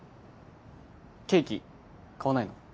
ケーキ買わないの？